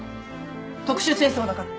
特殊清掃だから。